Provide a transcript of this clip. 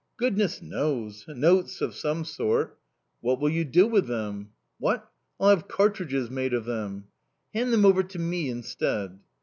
"Goodness knows! Notes of some sort"... "What will you do with them?" "What? I'll have cartridges made of them." "Hand them over to me instead."